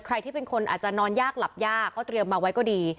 ใครที่เป็นคนอาจจะนอนยากหลับยากก็เตรียมมาไว้ก็ดี